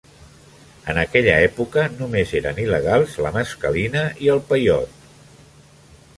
En aquella època, només eren il·legals la mescalina i el peiot.